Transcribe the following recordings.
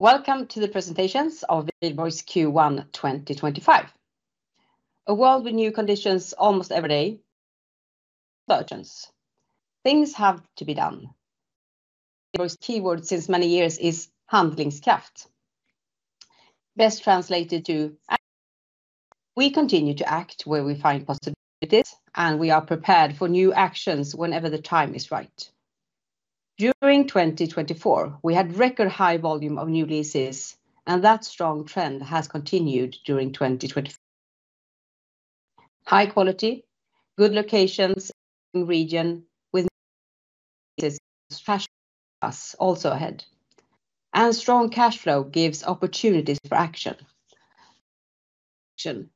Welcome to the presentations of Wihlborgs Q1 2025. A world with new conditions almost every day. Så känns. Things have to be done. Wihlborgs keyword since many years is "handlingskraft." Best translated to. We continue to act where we find possibilities, and we are prepared for new actions whenever the time is right. During 2024, we had record high volume of new leases, and that strong trend has continued during 2025. High quality, good locations in the region, with leases fast, fast also ahead. And strong cash flow gives opportunities for action.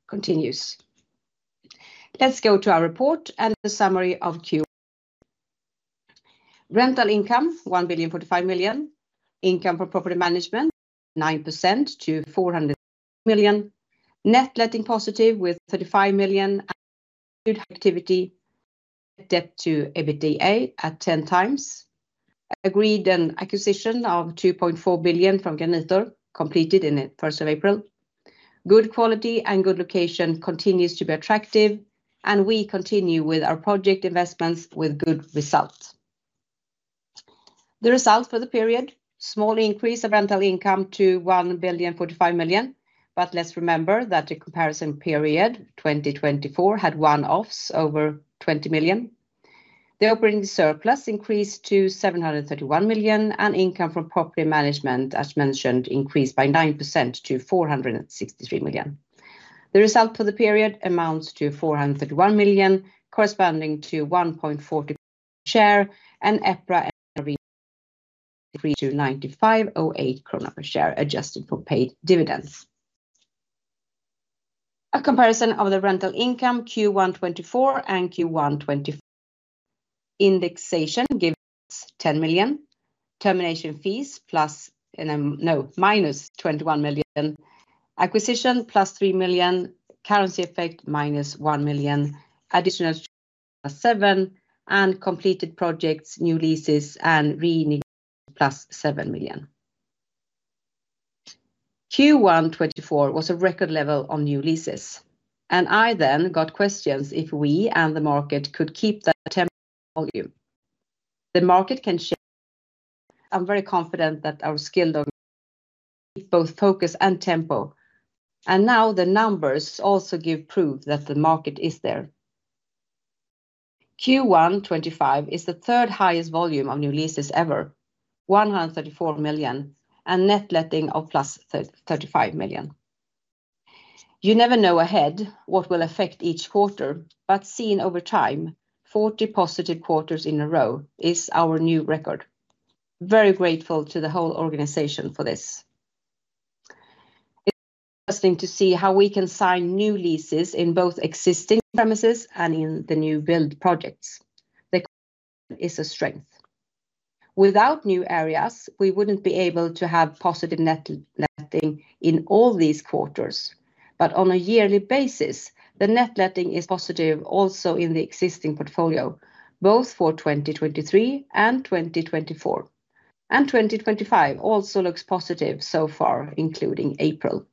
Continues. Let's go to our report and the summary of Q1. Rental income: 1,045,000,000. Income from property management: up 9% to 400 million. Net letting positive with 35 million and good activity. Debt to EBITDA at 10 times. Agreed an acquisition of 2.4 billion from Granitor, completed in April. Good quality and good location continues to be attractive, and we continue with our project investments with good results. The result for the period: small increase of rental income to 1,045,000,000. Let's remember that the comparison period 2024 had one-offs over 20 million. The operating surplus increased to 731 million, and income from property management, as mentioned, increased by 9% to 463 million. The result for the period amounts to 431 million, corresponding to 1.4% per share, and EPRA NRV increased to 95.08 krona per share, adjusted for paid dividends. A comparison of the rental income Q1 2024 and Q1 2025. Indexation gives 10 million. Termination fees plus minus 21 million. Acquisition plus 3 million. Currency effect minus 1 million. Additional 7 million. Completed projects, new leases, and renegotiated plus 7 million. Q1 2024 was a record level on new leases, and I then got questions if we and the market could keep that volume. The market can share. I'm very confident that our skilled organization keeps both focus and tempo. Now the numbers also give proof that the market is there. Q1 2025 is the third highest volume of new leases ever, 134 million, and net letting of plus 35 million. You never know ahead what will affect each quarter, but seen over time, 40 positive quarters in a row is our new record. Very grateful to the whole organization for this. It's interesting to see how we can sign new leases in both existing premises and in the new build projects. The conclusion is a strength. Without new areas, we wouldn't be able to have positive net letting in all these quarters. On a yearly basis, the net letting is positive also in the existing portfolio, both for 2023 and 2024. 2025 also looks positive so far, including April.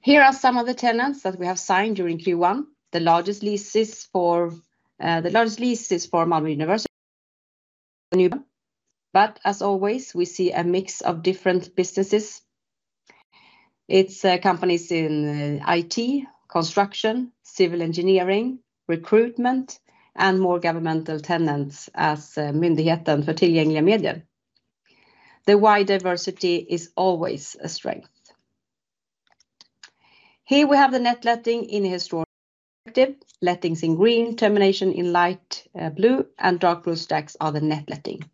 Here are some of the tenants that we have signed during Q1. The largest leases for Malmö University. As always, we see a mix of different businesses. It's companies in IT, construction, civil engineering, recruitment, and more governmental tenants as Myndigheten för tillgängliga medier. The wide diversity is always a strength. Here we have the net letting in historic activity. Lettings in green, termination in light blue, and dark blue stacks are the net letting.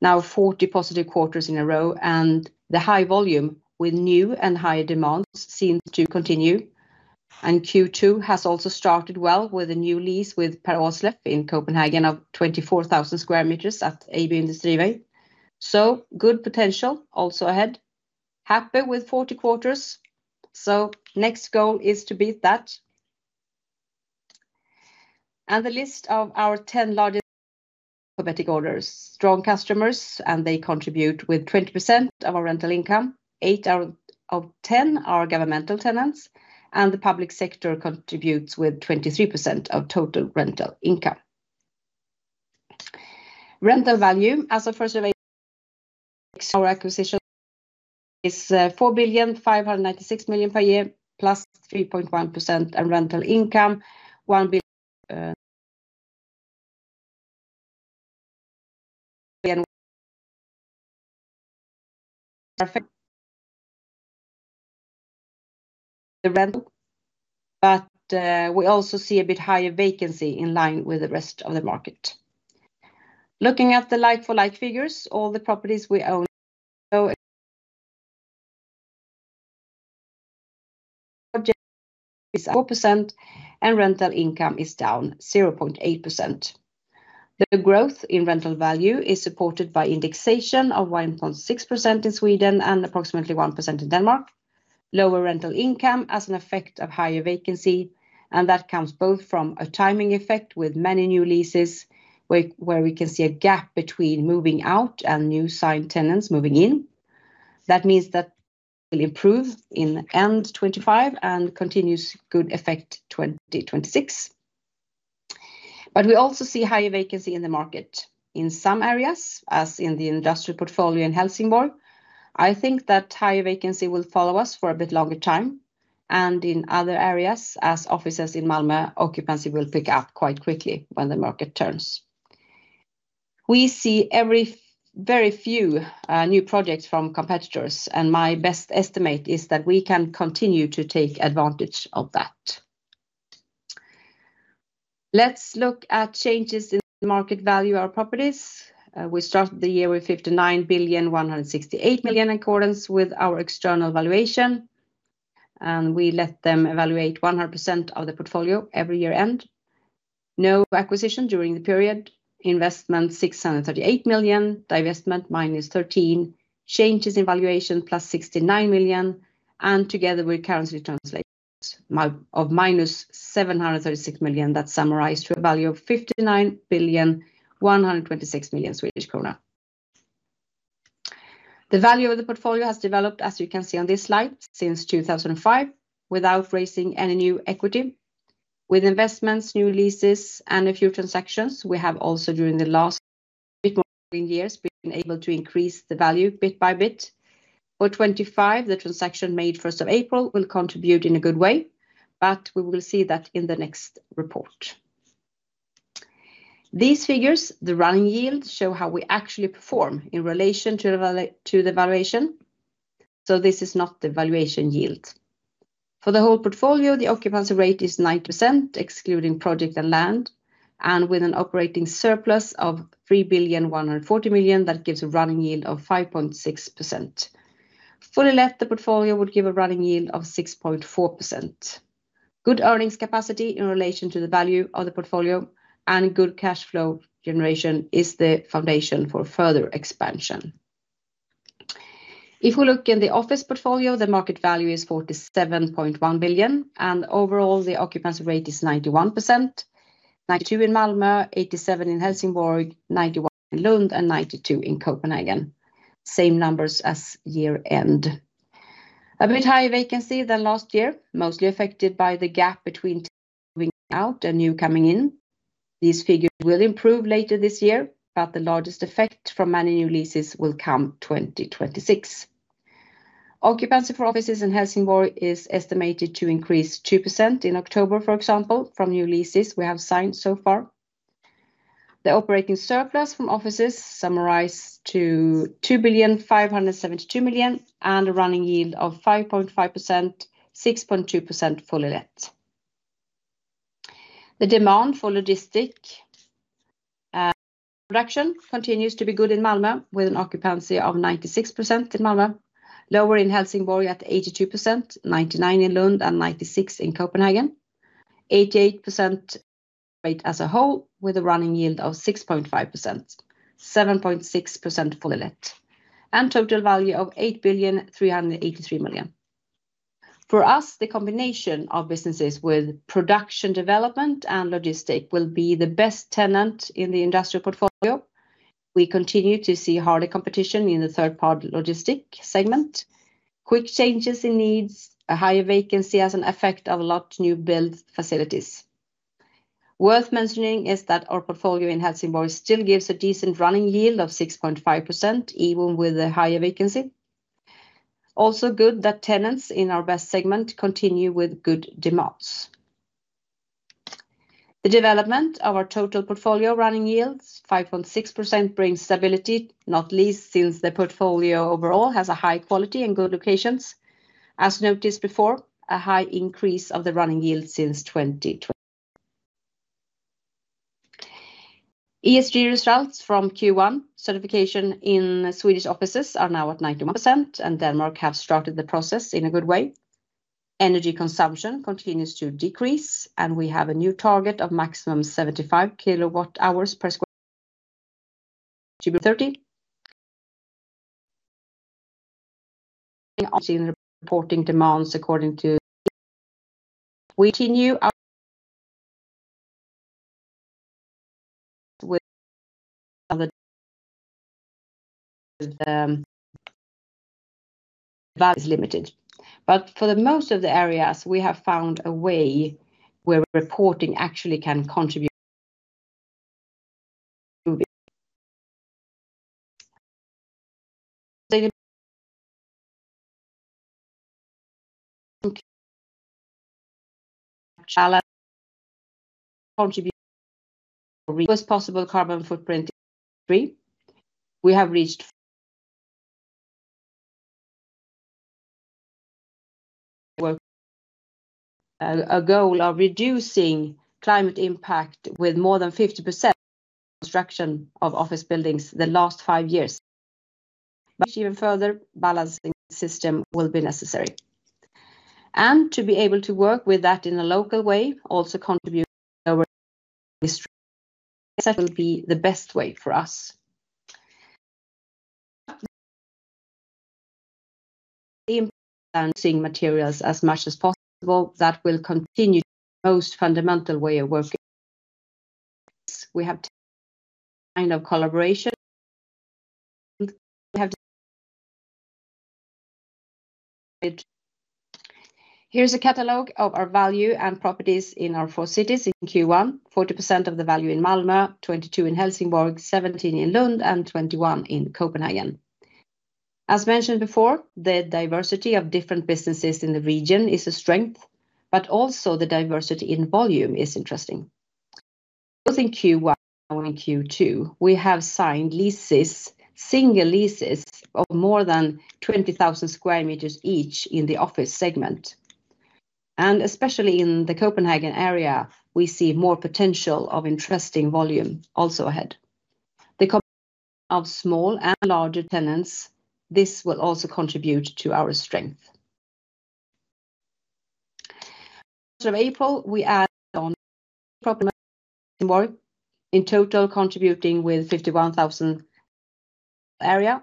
Now 40 positive quarters in a row, and the high volume with new and high demand seems to continue. Q2 has also started well with a new lease with Per Aarsleff in Copenhagen of 24,000 sq m at AB Industrivej. Good potential also ahead. Happy with 40 quarters. The next goal is to beat that. And the list of our 10 largest authentic orders. Strong customers, and they contribute with 20% of our rental income. Eight out of ten are governmental tenants, and the public sector contributes with 23% of total rental income. Rental value as of 1st of April. Our acquisition is 4,596,000,000 per year plus 3.1%, and rental income SEK 1 billion. The rental. We also see a bit higher vacancy in line with the rest of the market. Looking at the like-for-like figures, all the properties we own. Project is 4%, and rental income is down 0.8%. The growth in rental value is supported by indexation of 1.6% in Sweden and approximately 1% in Denmark. Lower rental income as an effect of higher vacancy, and that comes both from a timing effect with many new leases where we can see a gap between moving out and new signed tenants moving in. That means that will improve in end 2025 and continues good effect 2026. We also see higher vacancy in the market in some areas, as in the industrial portfolio in Helsingborg. I think that higher vacancy will follow us for a bit longer time, and in other areas, as offices in Malmö, occupancy will pick up quite quickly when the market turns. We see very few new projects from competitors, and my best estimate is that we can continue to take advantage of that. Let's look at changes in market value of our properties. We started the year with 59,168,000,000 in accordance with our external valuation, and we let them evaluate 100% of the portfolio every year end. No acquisition during the period. Investment 638,000,000, divestment minus 13 million, changes in valuation plus 69 million, and together with currency translation of minus 736,000,000, that summarized to a value of 59,126,000,000 Swedish krona. The value of the portfolio has developed, as you can see on this slide, since 2005, without raising any new equity. With investments, new leases, and a few transactions, we have also during the last bit more than years been able to increase the value bit by bit. For 2025, the transaction made 1st of April will contribute in a good way, but we will see that in the next report. These figures, the running yield, show how we actually perform in relation to the valuation. This is not the valuation yield. For the whole portfolio, the occupancy rate is 9%, excluding project and land, and with an operating surplus of 3,140,000,000, that gives a running yield of 5.6%. Fully let, the portfolio would give a running yield of 6.4%. Good earnings capacity in relation to the value of the portfolio and good cash flow generation is the foundation for further expansion. If we look in the office portfolio, the market value is 47,100,000,000, and overall the occupancy rate is 91%. 92% in Malmö, 87% in Helsingborg, 91% in Lund, and 92% in Copenhagen. Same numbers as year end. A bit higher vacancy than last year, mostly affected by the gap between moving out and new coming in. These figures will improve later this year, but the largest effect from many new leases will come 2026. Occupancy for offices in Helsingborg is estimated to increase 2% in October, for example, from new leases we have signed so far. The operating surplus from offices summarized to 2,572,000,000 and a running yield of 5.5%, 6.2% fully let. The demand for logistic production continues to be good in Malmö, with an occupancy of 96% in Malmö, lower in Helsingborg at 82%, 99% in Lund, and 96% in Copenhagen. 88% rate as a whole, with a running yield of 6.5%, 7.6% fully let, and total value of 8,383,000,000. For us, the combination of businesses with production, development, and logistic will be the best tenant in the industrial portfolio. We continue to see harder competition in the third-party logistic segment. Quick changes in needs, a higher vacancy as an effect of a lot of new build facilities. Worth mentioning is that our portfolio in Helsingborg still gives a decent running yield of 6.5%, even with a higher vacancy. Also good that tenants in our best segment continue with good demands. The development of our total portfolio running yields, 5.6%, brings stability, not least since the portfolio overall has a high quality and good locations. As noticed before, a high increase of the running yield since 2020. ESG results from Q1 certification in Swedish offices are now at 91%, and Denmark has started the process in a good way. Energy consumption continues to decrease, and we have a new target of maximum 75 kilowatt hours per sq m. We continue with. For most of the areas, we have found a way where reporting actually can contribute. A goal of reducing climate impact with more than 50% construction of office buildings the last five years. Even further balancing system will be necessary. To be able to work with that in a local way, also contribute lower districts will be the best way for us. The. Seeing materials as much as possible, that will continue the most fundamental way of working. We have kind of collaboration. Here is a catalogue of our value and properties in our four cities in Q1: 40% of the value in Malmö, 22% in Helsingborg, 17% in Lund, and 21% in Copenhagen. As mentioned before, the diversity of different businesses in the region is a strength, but also the diversity in volume is interesting. Both in Q1 and Q2, we have signed leases, single leases of more than 20,000 sq m each in the office segment. Especially in the Copenhagen area, we see more potential of interesting volume also ahead. The mix of small and larger tenants, this will also contribute to our strength. As of April, we add on. In total contributing with 51,000 area,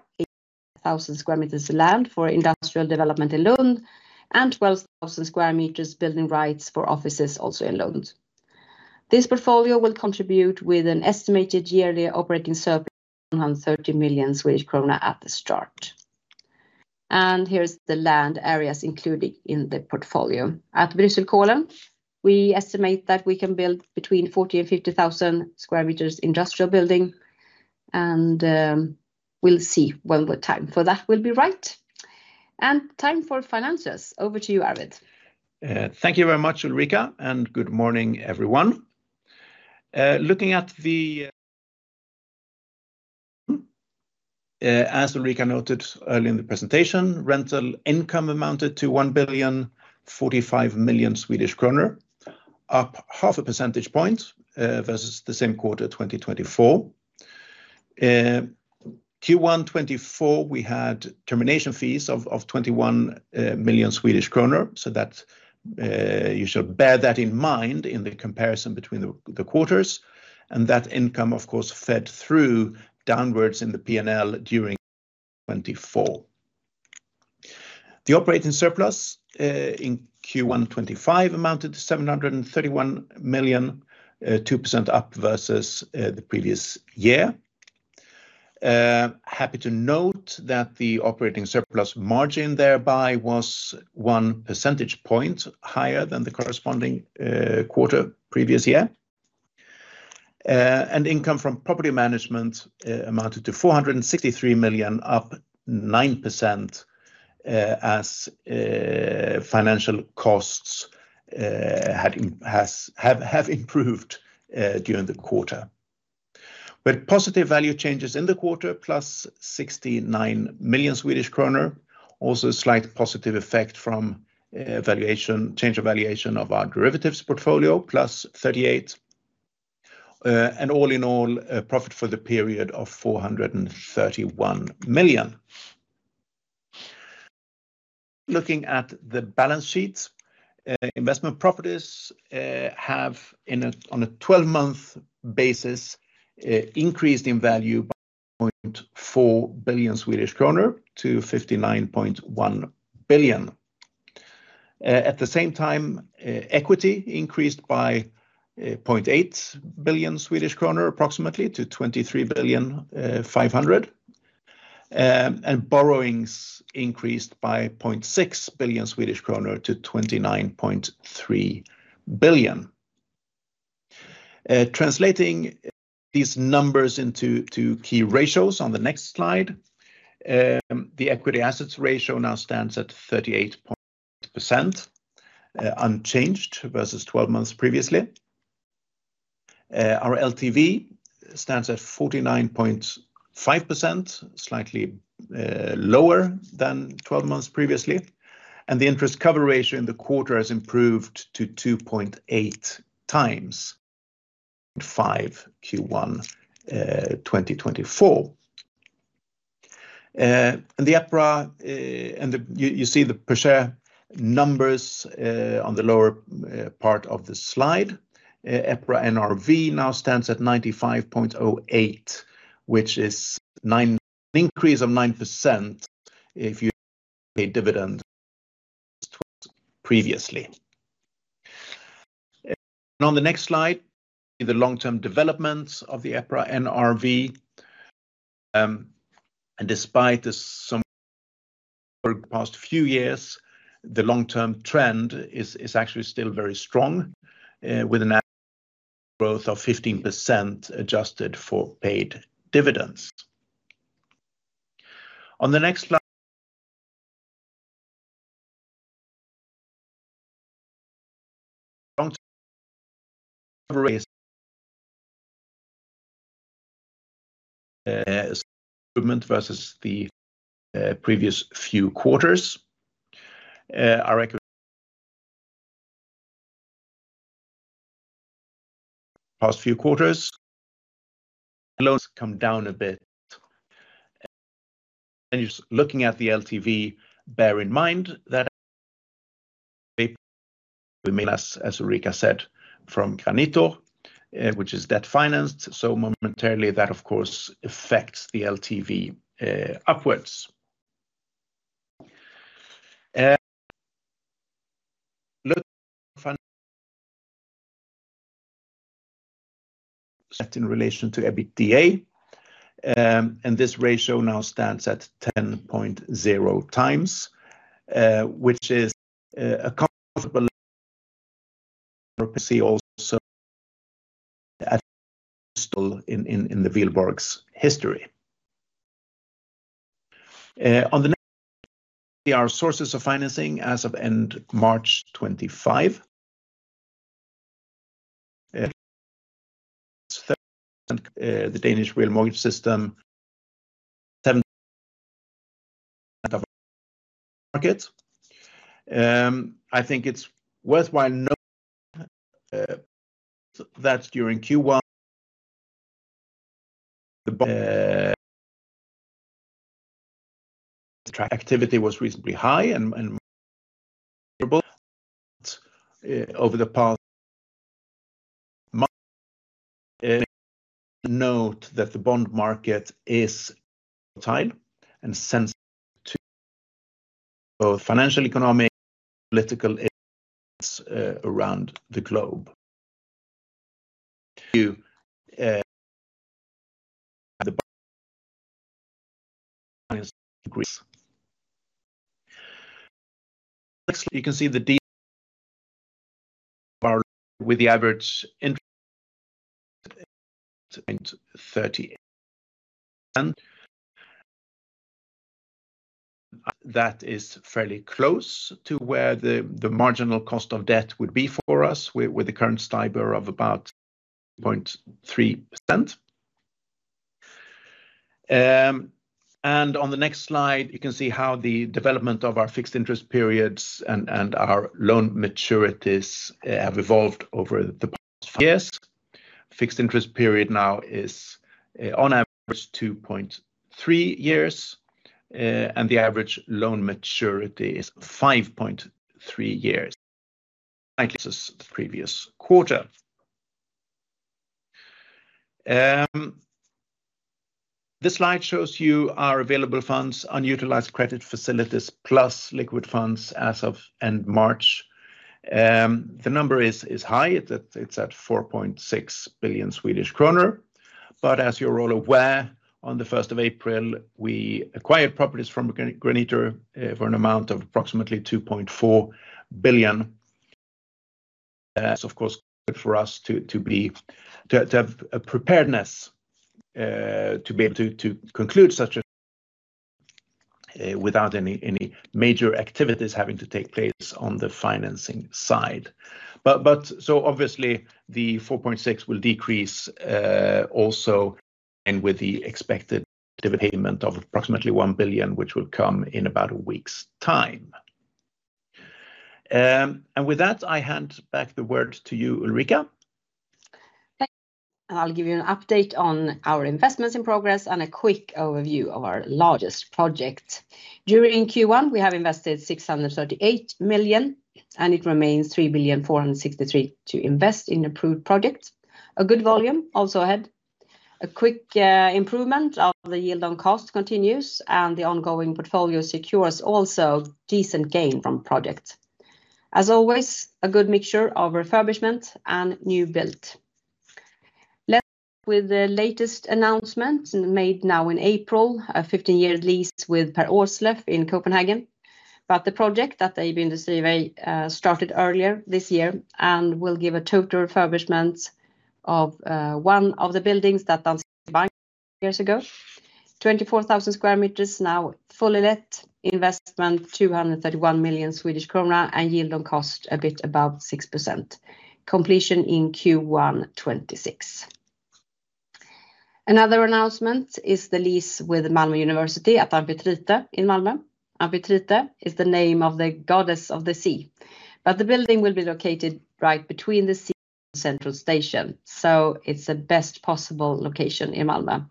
8,000 sq m of land for industrial development in Lund, and 12,000 sq m building rights for offices also in Lund. This portfolio will contribute with an estimated yearly operating surplus of 130 million Swedish krona at the start. Here is the land areas included in the portfolio. At Brussels Kolen, we estimate that we can build between 40,000-50,000 sq m industrial building, and we will see when the time for that will be right. Time for finances. Over to you, Arvid. Thank you very much, Ulrika, and good morning, everyone. Looking at the. As Ulrika noted early in the presentation, rental income amounted to 1,045,000,000 Swedish kronor, up half a percentage point versus the same quarter 2024. Q1 2024, we had termination fees of 21 million Swedish kronor, so that you should bear that in mind in the comparison between the quarters. That income, of course, fed through downwards in the P&L during 2024. The operating surplus in Q1 2025 amounted to 731,000,000, 2% up versus the previous year. Happy to note that the operating surplus margin thereby was one percentage point higher than the corresponding quarter previous year. Income from property management amounted to 463,000,000, up 9% as financial costs have improved during the quarter. Positive value changes in the quarter, plus 69 million Swedish kronor also a slight positive effect from change of valuation of our derivatives portfolio, plus 38 million. All in all, profit for the period of 431 million. Looking at the balance sheets, investment properties have on a 12-month basis increased in value by 0.4 billion Swedish kronor to 59.1 billion. At the same time, equity increased by approximately 0.8 billion Swedish kronor to 23,500,000,000. Borrowings increased by 0.6 billion Swedish kronor to 29.3 billion. Translating these numbers into key ratios on the next slide, the equity assets ratio now stands at 38.8%, unchanged versus 12 months previously. Our LTV stands at 49.5%, slightly lower than 12 months previously. The interest cover ratio in the quarter has improved to 2.8 times in Q1 2024. The EPRA, and you see the per share numbers on the lower part of the slide. EPRA NRV now stands at 95.08, which is an increase of 9% if you pay dividend previously. On the next slide, the long-term development of the EPRA NRV. Despite the, over the past few years, the long-term trend is actually still very strong, with a growth of 15% adjusted for paid dividends. On the next slide. Improvement versus the previous few quarters. Our past few quarters, loans come down a bit. Just looking at the LTV, bear in mind that we may, as Ulrika said, from Granitor, which is debt financed. Momentarily, that, of course, affects the LTV upwards. Looking at in relation to EBITDA. This ratio now stands at 10.0 times, which is comfortable. See also in the Wihlborgs history. On the next, our sources of financing as of end March 2025. The Danish real mortgage system market. I think it's worthwhile to note that during Q1, the activity was reasonably high. Over the past, note that the bond market is sensitive to both financial, economic, political around the globe. You can see the with the average interest 38. That is fairly close to where the marginal cost of debt would be for us, with the current STIBOR of about 0.3%. On the next slide, you can see how the development of our fixed interest periods and our loan maturities have evolved over the past years. Fixed interest period now is on average 2.3 years, and the average loan maturity is 5.3 years. Slightly the previous quarter. This slide shows you our available funds, unutilized credit facilities, plus liquid funds as of end March. The number is high. It is at 4.6 billion Swedish kronor. As you are all aware, on the 1st of April, we acquired properties from Granitor for an amount of approximately 2.4 billion. For us to have a preparedness to be able to conclude such a transaction without any major activities having to take place on the financing side. Obviously, the 4.6 billion will decrease also with the expected dividend payment of approximately 1 billion, which will come in about a week's time. With that, I hand back the word to you, Ulrika. I'll give you an update on our investments in progress and a quick overview of our largest project. During Q1, we have invested 638 million, and it remains 3,463 million to invest in approved projects. A good volume also ahead. A quick improvement of the yield on cost continues, and the ongoing portfolio secures also decent gain from projects. As always, a good mixture of refurbishment and new build. With the latest announcement made now in April, a 15-year lease with Per Aarsleff in Copenhagen. The project at the Ebbe Industrivej started earlier this year and will give a total refurbishment of one of the buildings that Danske Bank had years ago. 24,000 sq m now fully let, investment 231 million Swedish krona and yield on cost a bit above 6%. Completion in Q1 2026. Another announcement is the lease with Malmö University at Amphitrite in Malmö. Amphitrite is the name of the goddess of the sea. The building will be located right between the central station, so it's the best possible location in Malmö.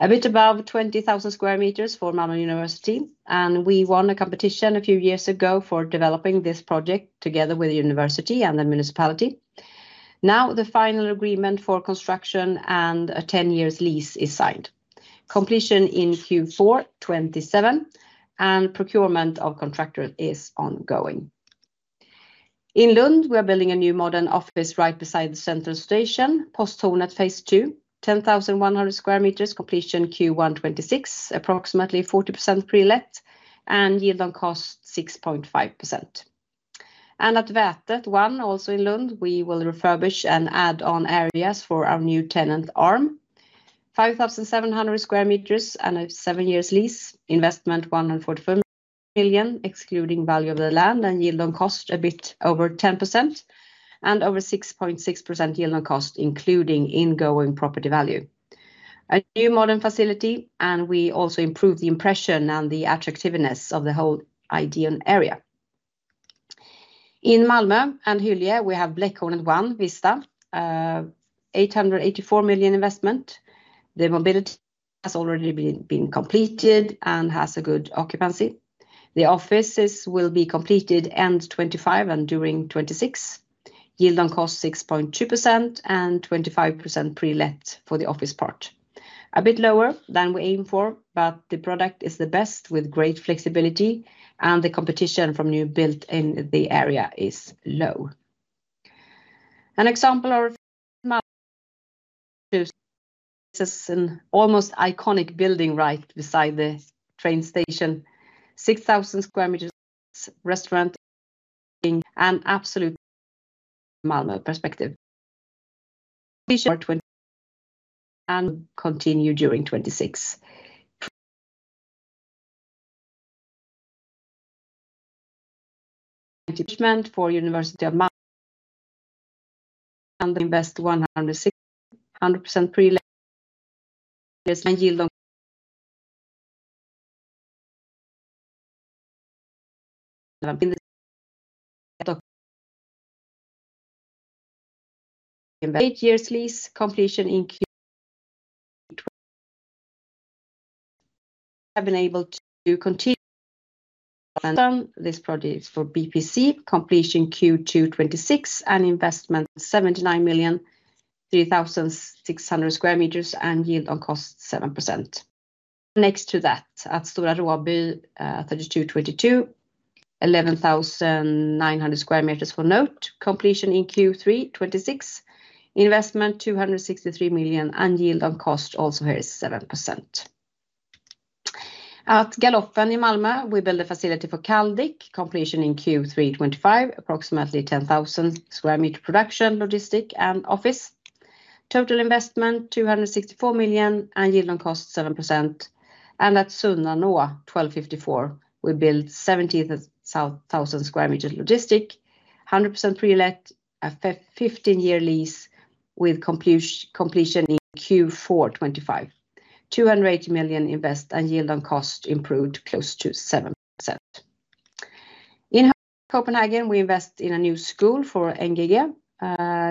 A bit above 20,000 sq m for Malmö University, and we won a competition a few years ago for developing this project together with the university and the municipality. Now the final agreement for construction and a 10-year lease is signed. Completion in Q4 2027 and procurement of contractor is ongoing. In Lund, we are building a new modern office right beside the central station, Posthornet Phase 2, 10,100 sq m, completion Q1 2026, approximately 40% pre-let and yield on cost 6.5%. At Vätet 1, also in Lund, we will refurbish and add on areas or our new tenant Arm. 5,700 sq m and a seven-year lease, investment 145 million, excluding value of the land and yield on cost a bit over 10% and over 6.6% yield on cost, including ingoing property value. A new modern facility, and we also improve the impression and the attractiveness of the whole ideal area. In Malmö and Hyllie, we have Blekhornet 1, Vista, 884 million investment. The mobility has already been completed and has a good occupancy. The offices will be completed end 2025 and during 2026. Yield on cost 6.2% and 25% pre-let for the office part. A bit lower than we aim for, but the product is the best with great flexibility and the competition from new build in the area is low. An example of this is an almost iconic building right beside the train station, 6,000 sq m restaurant and absolute Malmö perspective. Completion and continue during 2026. For University of. And invest 100% pre-let and yield on. Eight years lease, completion in Q2. Have been able to continue. This project is for BPC, completion Q2 2026 and investment 79,3600 sq m and yield on cost 7%. Next to that, at Stora Råby 32:22, 11,900 sq m for NOTE, completion in Q3 2026, investment 263 million and yield on cost also here is 7%. At Galoppen in Malmö, we build a facility for Caldic, completion in Q3 2025, approximately 10,000 sq m production, logistic and office. Total investment 264 million and yield on cost 7%. At Sunnanå 12:54, we build 17,000 sq m logistic, 100% pre-let, a 15-year lease with completion in Q4 2025. 280 million invest and yield on cost improved close to 7%. In Copenhagen, we invest in a new school for NGG,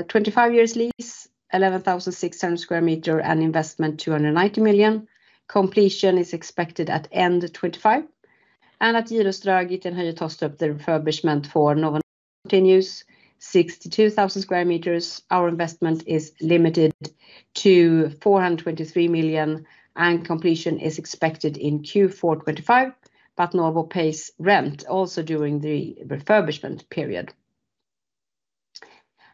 25 years lease, 11,600 sq m and investment 290 million. Completion is expected at end 2025. At we tossed up the refurbishment for. Continues 62,000 sq m. Our investment is limited to 423 million and completion is expected in Q4 2025, but Novo pays rent also during the refurbishment period.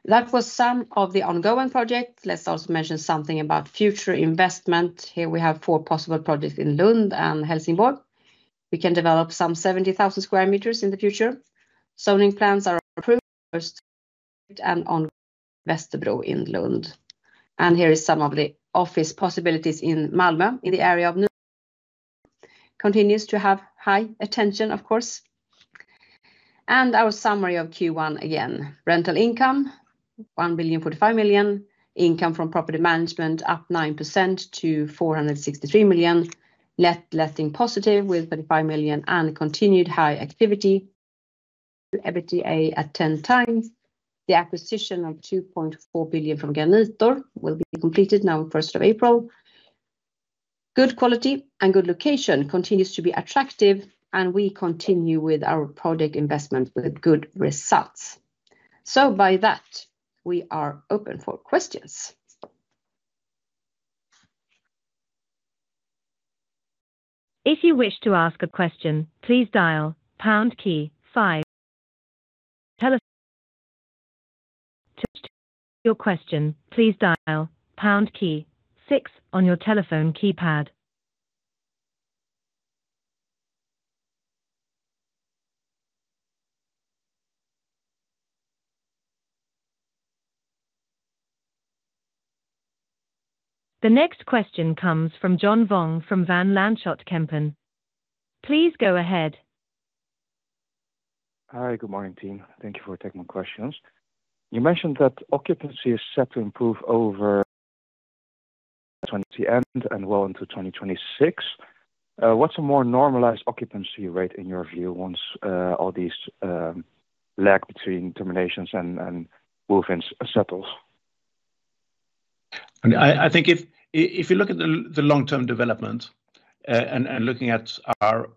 That was some of the ongoing projects. Let's also mention something about future investment. Here we have four possible projects in Lund and Helsingborg. We can develop some 70,000 sq m in the future. Zoning plans are approved first and on Västerbro in Lund. Here is some of the office possibilities in Malmö in the area of. Continues to have high attention, of course. Our summary of Q1 again. Rental income 1,045 million, income from property management up 9% to 463 million, net letting positive with 35 million and continued high activity. EBITDA at 10 times. The acquisition of 2.4 billion from Granitor will be completed now on 1st of April. Good quality and good location continues to be attractive, and we continue with our project investment with good results. By that, we are open for questions. If you wish to ask a question, please dial pound key five. To ask your question, please dial pound key six on your telephone keypad. The next question comes from John Vuong from Van Lanschot Kempen. Please go ahead. Hi, good morning, team. Thank you for taking my questions. You mentioned that occupancy is set to improve over 2020 end and well into 2026. What's a more normalized occupancy rate in your view once all these lag between terminations and movements settles? I think if you look at the long-term development and looking at our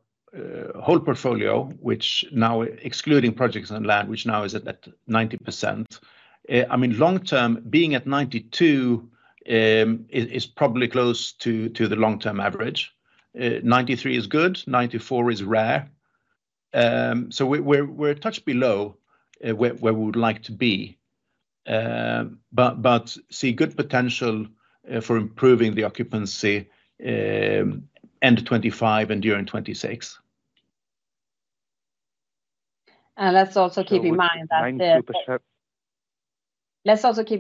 whole portfolio, which now excluding projects and land, which now is at 90%, I mean, long-term being at 92% is probably close to the long-term average. 93% is good, 94% is rare. We're a touch below where we would like to be. I see good potential for improving the occupancy end 2025 and during 2026. Let's also keep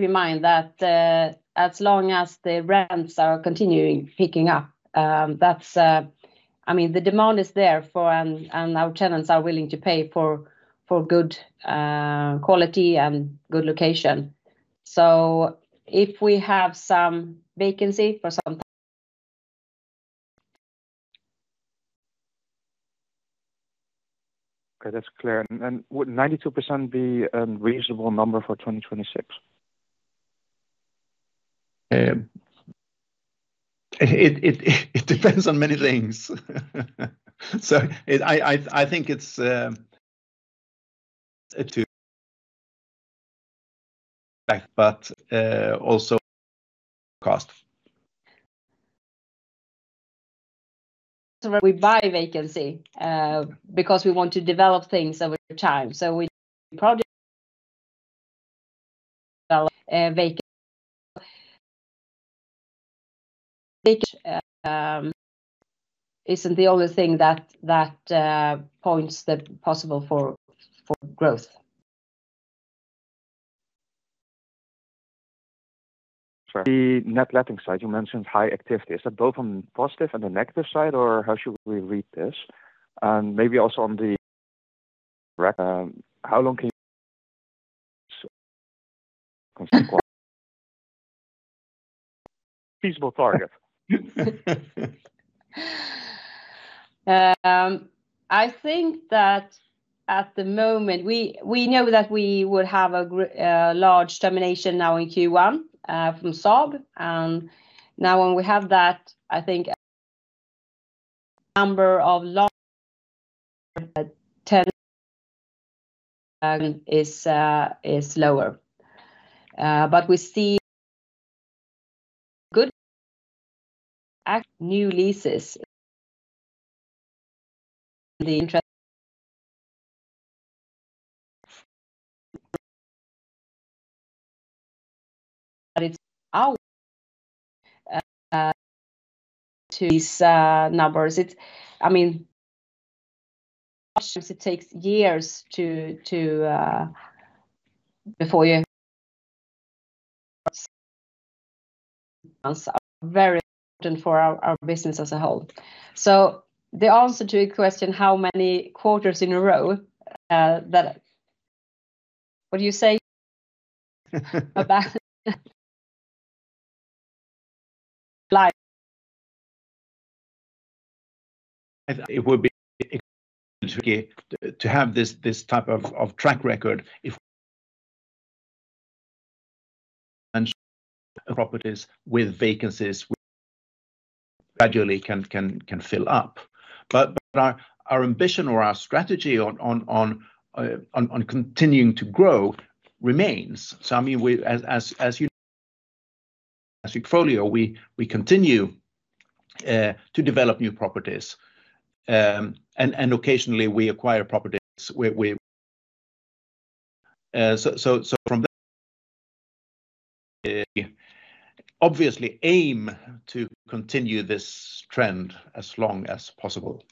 in mind that as long as the rents are continuing picking up, that's, I mean, the demand is there for and our tenants are willing to pay for good quality and good location. If we have some vacancy for some, okay, that's clear. Would 92% be a reasonable number for 2026? It depends on many things. I think it's a, but also cost. We buy vacancy because we want to develop things over time. We develop vacancy. Isn't the only thing that points the possible for growth. The net letting side, you mentioned high activity. Is that both on the positive and the negative side, or how should we read this? Maybe also on the, how long can you, feasible target. I think that at the moment, we know that we would have a large termination now in Q1 from SGU. Now when we have that, I think number of long-term is lower. We see good new leases. The interest, but it's out to these numbers. I mean, sometimes it takes years before you are very important for our business as a whole. The answer to your question, how many quarters in a row, what do you say? It would be excellent to have this type of track record if properties with vacancies gradually can fill up. Our ambition or our strategy on continuing to grow remains. I mean, as you know, as portfolio, we continue to develop new properties. Occasionally we acquire properties. From that, obviously aim to continue this trend as long as possible.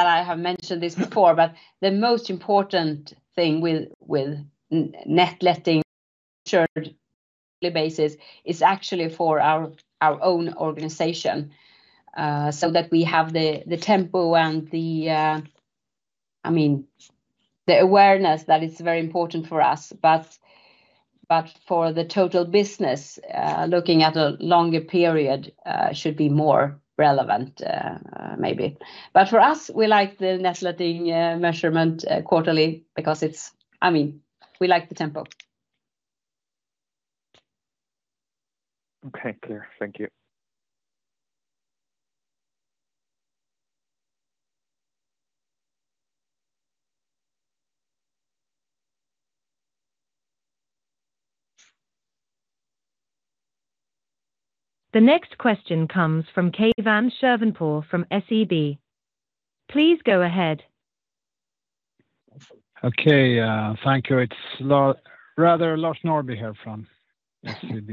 I have mentioned this before, but the most important thing with net letting on a yearly basis is actually for our own organization so that we have the tempo and the, I mean, the awareness that it's very important for us. For the total business, looking at a longer period should be more relevant maybe. For us, we like the net letting measurement quarterly because it's, I mean, we like the tempo. Okay, clear. Thank you. The next question comes fromKeivan Shirvanpour from SEB. Please go ahead. Okay, thank you. It's rather Lars Norrby here from SEB.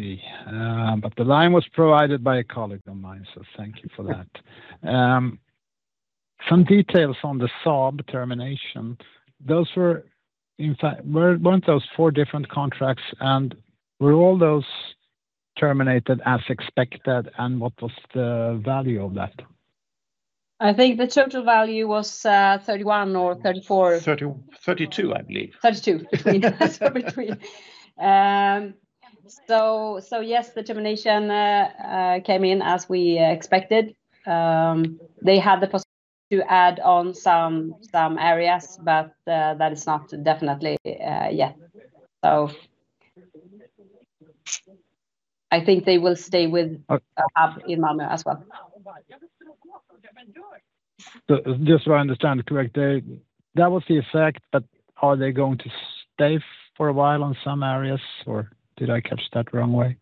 The line was provided by a colleague of mine, so thank you for that. Some details on the SOG termination. Those were, in fact, weren't those four different contracts? Were all those terminated as expected? What was the value of that? I think the total value was 31 or 34. 32, I believe. 32. Yes, the termination came in as we expected. They had the possibility to add on some areas, but that is not definite yet. I think they will stay with the hub in Malmö as well. Just so I understand it correctly, that was the effect, but are they going to stay for a while on some areas, or did I catch that wrong way?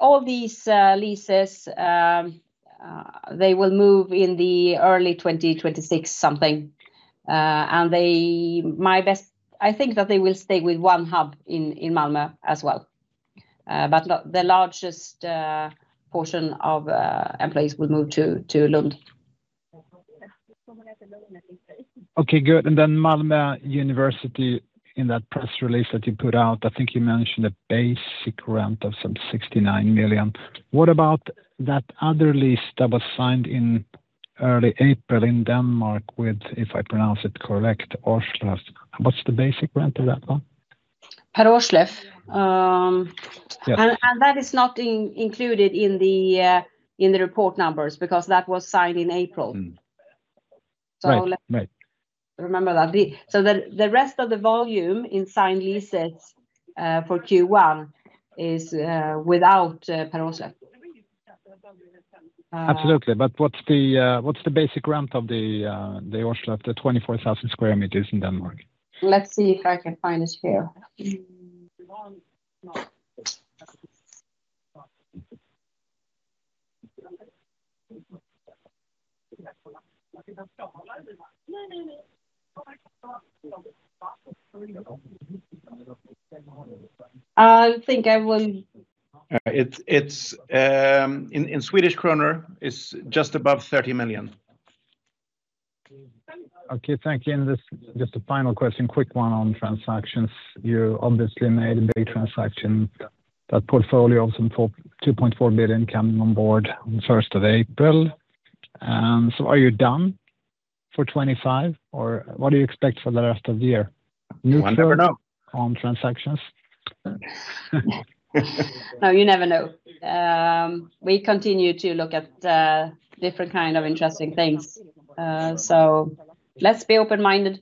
All these leases, they will move in early 2026 something. I think that they will stay with one hub in Malmö as well. The largest portion of employees will move to Lund. Okay, good. Malmö University, in that press release that you put out, I think you mentioned a basic rent of some 69 million. What about that other lease that was signed in early April in Denmark with, if I pronounce it correct, Per Aarsleff? What's the basic rent of that one? Per Aarsleff. That is not included in the report numbers because that was signed in April. Remember that. The rest of the volume in signed leases for Q1 is without Per Aarsleff. Absolutely. What's the basic rent of the Aarsleff, the 24,000 sq m in Denmark? Let's see if I can find it here. I think I will. In Swedish kronor, it's just above 30 million. Okay, thank you. Just a final question, quick one on transactions. You obviously made a big transaction, that portfolio of some 2.4 billion coming on board on 1st of April. Are you done for 2025, or what do you expect for the rest of the year? You never know on transactions. No, you never know. We continue to look at different kinds of interesting things. Let's be open-minded.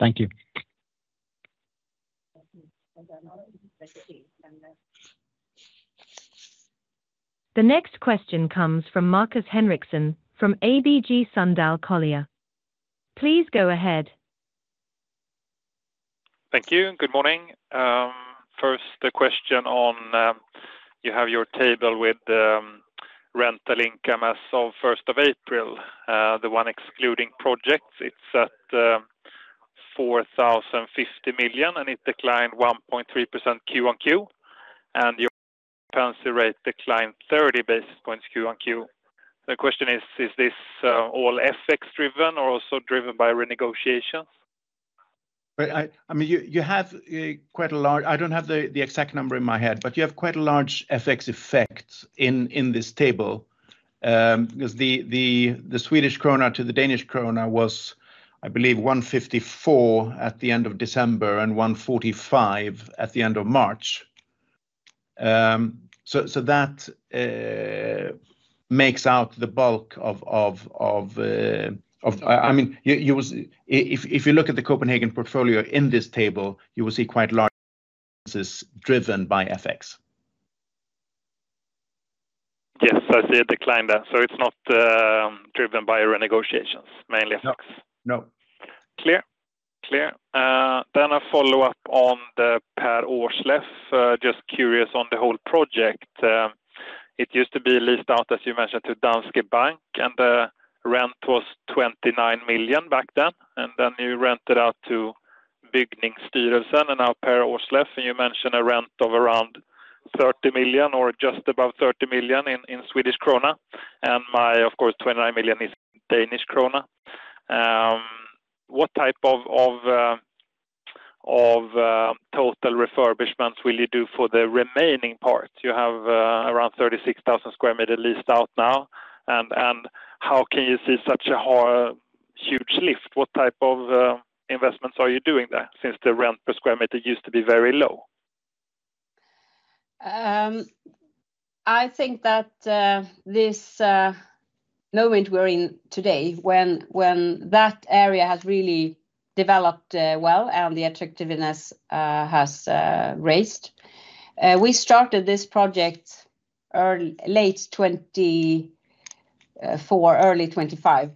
Thank you. The next question comes from Markus Henriksson from ABG Sundal Collier. Please go ahead. Thank you. Good morning. First, the question on you have your table with Rental Inc. as of 1st of April, the one excluding projects. It's at 4,050 million, and it declined 1.3% Q1Q. Your pencil rate declined 30 basis points Q1Q. The question is, is this all FX-driven or also driven by renegotiations? I mean, you have quite a large—I do not have the exact number in my head, but you have quite a large FX effect in this table. Because the Swedish krona to the Danish krone was, I believe, 1.54 at the end of December and 1.45 at the end of March. That makes out the bulk of—I mean, if you look at the Copenhagen portfolio in this table, you will see quite large differences driven by FX. Yes, I see a decline there. It is not driven by renegotiations, mainly FX. No. Clear. Clear. A follow-up on the Per Aarsleff. Just curious on the whole project. It used to be leased out, as you mentioned, to Danske Bank, and the rent was 29 million back then. You rented out to Bygningsstyrelsen, and now Per Aarsleff, and you mentioned a rent of around 30 million or just above 30 million. My, of course, 29 million. What type of total refurbishments will you do for the remaining parts? You have around 36,000 sq m leased out now. How can you see such a huge lift? What type of investments are you doing there since the rent per sq m used to be very low? I think that this moment we're in today, when that area has really developed well and the attractiveness has raised, we started this project late 2024, early 2025,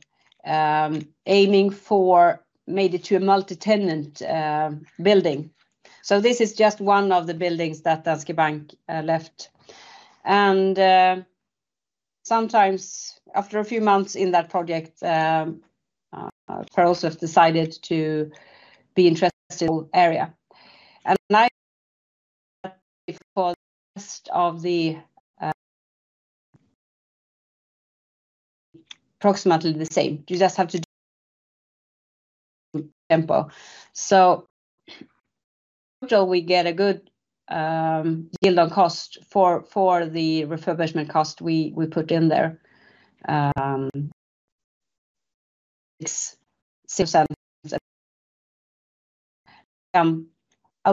aiming for—made it to a multi-tenant building. This is just one of the buildings that Danske Bank left. Sometimes, after a few months in that project, Per Aarsleff decided to be interested. Area. I think the rest of the—approximately the same. You just have to do tempo. We get a good yield on cost for the refurbishment cost we put in there. I'll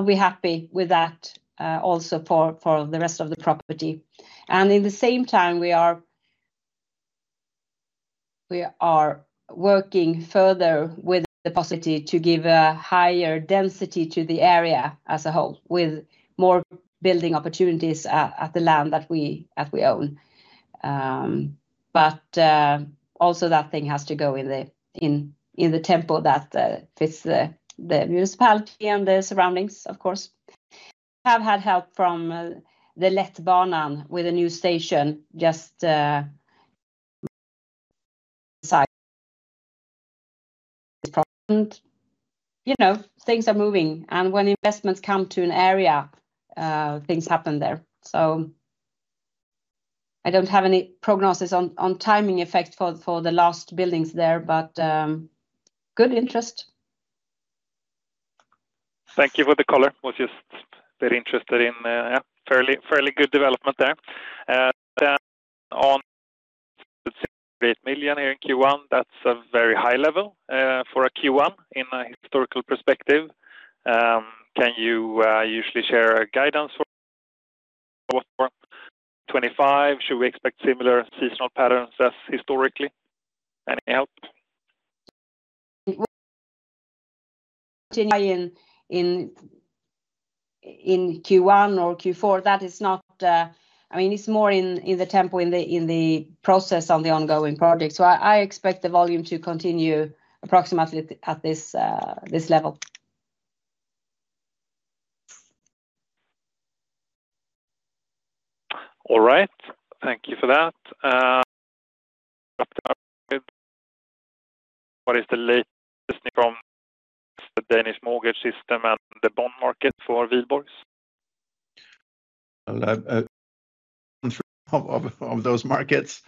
be happy with that also for the rest of the property. At the same time, we are working further with the possibility to give a higher density to the area as a whole with more building opportunities at the land that we own. That thing also has to go in the tempo that fits the municipality and the surroundings, of course. We have had help from the Letbanen with a new station just inside. Things are moving. When investments come to an area, things happen there. I don't have any prognosis on timing effect for the last buildings there, but good interest. Thank you for the color. Was just very interested in fairly good development there. On 68 million here in Q1, that's a very high level for a Q1 in a historical perspective. Can you usually share guidance for 2025? Should we expect similar seasonal patterns as historically? Any help? In Q1 or Q4, that is not—I mean, it's more in the tempo in the process on the ongoing project. So I expect the volume to continue approximately at this level. All right. Thank you for that. What is the latest news from the Danish mortgage system and the bond market for Wihlborgs? Of those markets.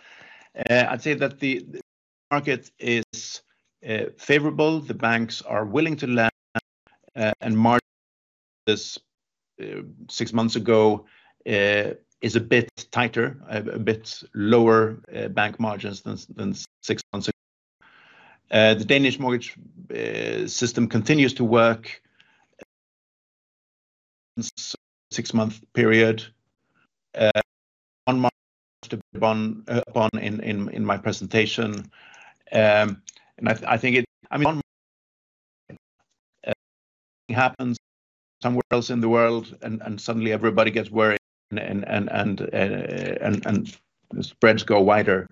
I'd say that the market is favorable. The banks are willing to lend, and margins six months ago is a bit tighter, a bit lower bank margins than six months ago. The Danish mortgage system continues to work in a six-month period. One margin was touched upon in my presentation. I think it—I mean, one margin happens somewhere else in the world, and suddenly everybody gets worried, and spreads go wider.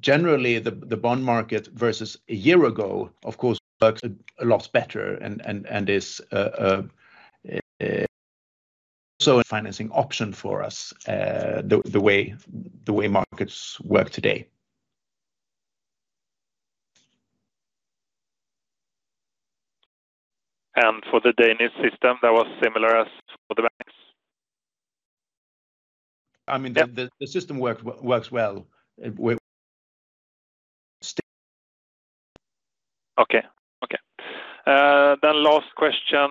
Generally, the bond market versus a year ago, of course, works a lot better and is also a financing option for us the way markets work today. For the Danish system, that was similar as for the banks? I mean, the system works well. Okay. Okay. Last question.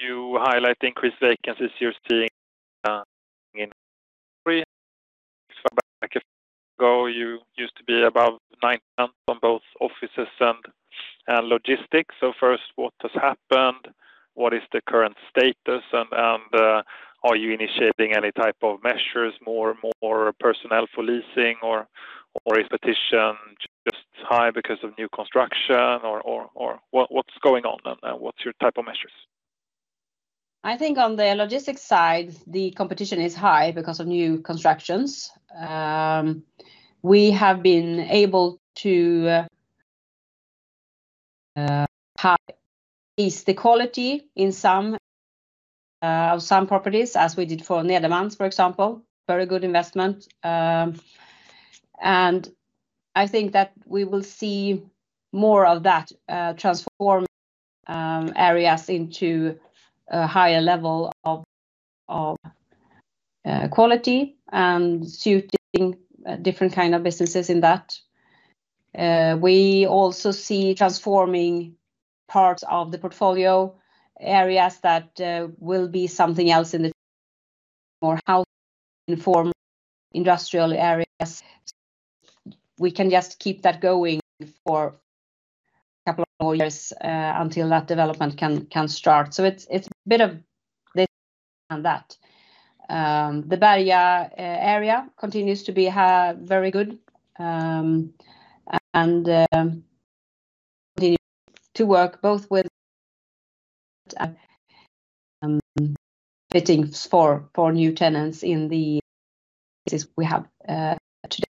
You highlight the increased vacancies you're seeing in the country. Six months ago, you used to be above 90% on both offices and logistics. First, what has happened? What is the current status? Are you initiating any type of measures, more personnel for leasing, or is competition just high because of new construction? What's going on, and what's your type of measures? I think on the logistics side, the competition is high because of new constructions. We have been able to increase the quality of some properties, as we did for Nederman, for example. Very good investment. I think that we will see more of that transform areas into a higher level of quality and suit different kinds of businesses in that. We also see transforming parts of the portfolio, areas that will be something else in the more house-informed industrial areas. We can just keep that going for a couple of more years until that development can start. It is a bit of this and that. The Berga area continues to be very good and continues to work both with fittings for new tenants in the spaces we have today.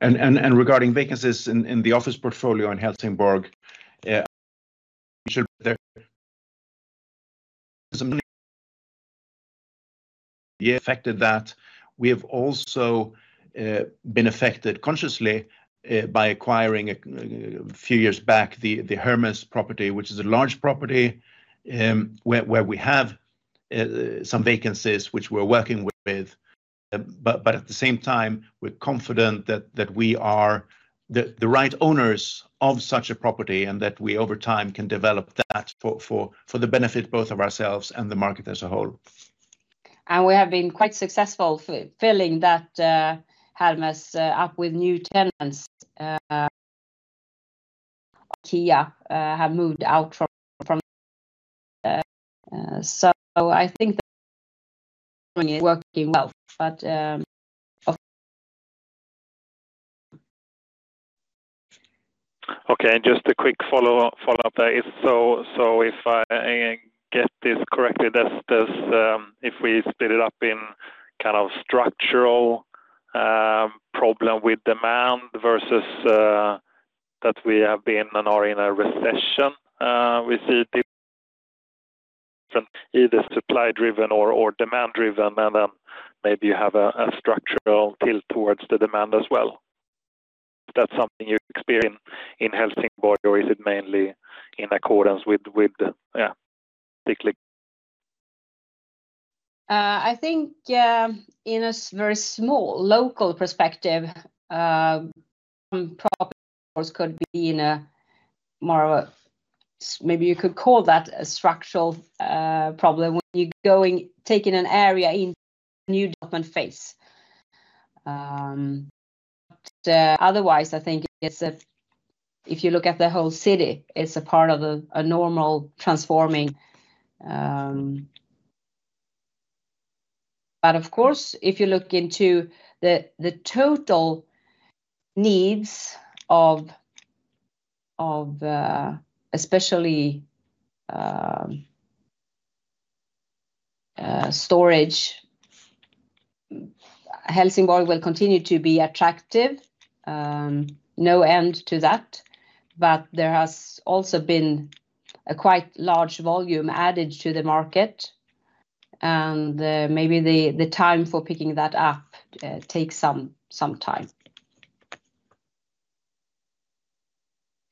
Regarding vacancies in the office portfolio in Helsingborg, some affected that. We have also been affected consciously by acquiring a few years back the Hermes property, which is a large property where we have some vacancies which we're working with. At the same time, we're confident that we are the right owners of such a property and that we, over time, can develop that for the benefit both of ourselves and the market as a whole. We have been quite successful filling that Hermes up with new tenants. Kia have moved out from. I think that it's working well. Okay. Just a quick follow-up there. If I get this correctly, if we split it up in kind of structural problem with demand versus that we have been and are in a recession, we see different. Either supply-driven or demand-driven, and then maybe you have a structural tilt towards the demand as well. Is that something you experience in Helsingborg, or is it mainly in accordance with particular? I think in a very small local perspective, some properties could be in more of a maybe you could call that a structural problem when you're taking an area into a new development phase. Otherwise, I think if you look at the whole city, it's a part of a normal transforming. Of course, if you look into the total needs of especially storage, Helsingborg will continue to be attractive. No end to that. There has also been a quite large volume added to the market, and maybe the time for picking that up takes some time.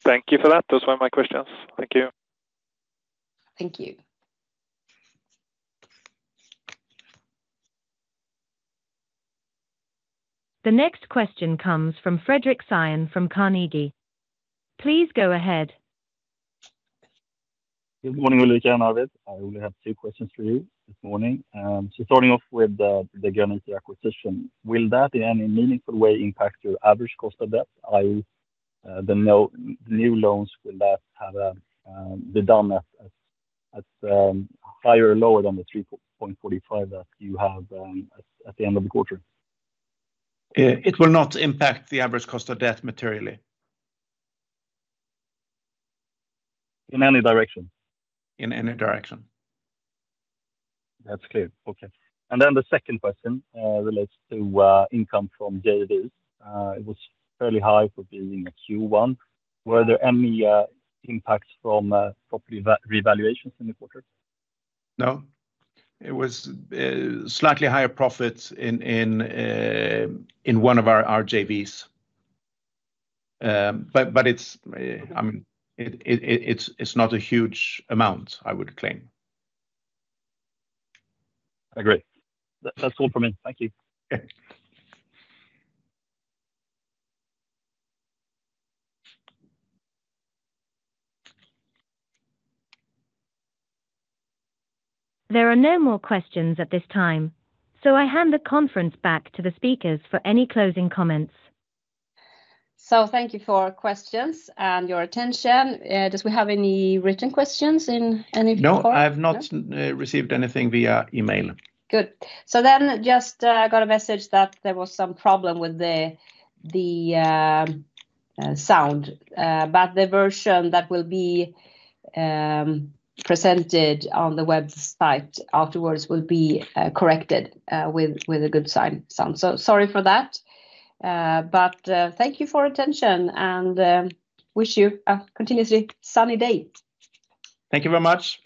Thank you for that. Those were my questions. Thank you. Thank you. The next question comes from Fredric Cyon from Carnegie. Please go ahead. Good morning, Ulrika. I'm Arvid. I only have two questions for you this morning. Starting off with the Granitor acquisition, will that in any meaningful way impact your average cost of debt, i.e., the new loans, will that be done at higher or lower than the 3.45 that you have at the end of the quarter? It will not impact the average cost of debt materially. In any direction. In any direction. That's clear. Okay. The second question relates to income from JVs. It was fairly high for being a Q1. Were there any impacts from property revaluations in the quarter? No. It was slightly higher profits in one of our JVs. I mean, it's not a huge amount, I would claim. I agree. That's all from me. Thank you. There are no more questions at this time. I hand the conference back to the speakers for any closing comments. Thank you for our questions and your attention. Do we have any written questions in any form? No. I have not received anything via email. Good. I just got a message that there was some problem with the sound. The version that will be presented on the website afterwards will be corrected with good sound. Sorry for that. Thank you for your attention and wish you a continuously sunny day. Thank you very much.